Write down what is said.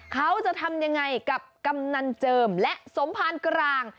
เขาจะทำยังไงกับกำนันเจิมและสมภารกลาง